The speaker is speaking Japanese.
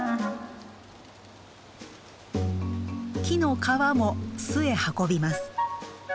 木の皮も巣へ運びます。